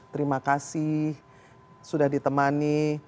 terima kasih sudah ditemani